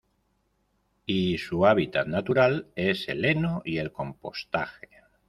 Y su hábitat natural es el heno y el compostaje.